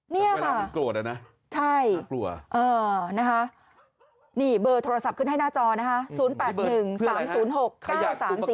นี่ค่ะใช่เออนะคะนี่เบอร์โทรศัพท์ขึ้นให้หน้าจอนะคะ